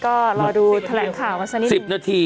ก็รอดูแถลงข่าวมาสักนิดหนึ่ง๑๐นาที